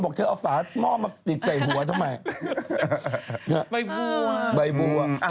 แฮปปี้เลยนะ